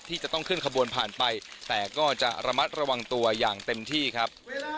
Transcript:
ที่จะต้องขึ้นขบวนผ่านไปแต่ก็จะระมัดระวังตัวอย่างเต็มที่ครับ